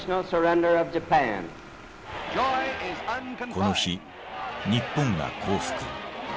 この日日本が降伏。